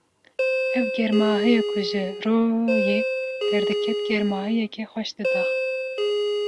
Ew germahiya ku ji royê derdiket, germahiyeke xweş dida.